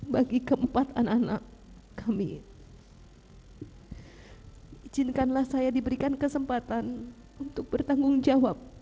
bagi keempat anak anak kami hai izinkanlah saya diberikan kesempatan untuk bertanggungjawab